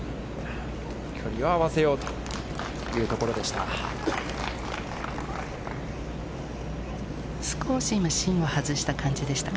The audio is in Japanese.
距離は合わせようというところでした。